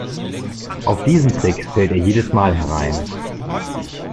Auf diesen Trick fällt er jedes Mal herein.